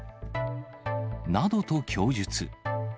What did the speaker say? などと供述。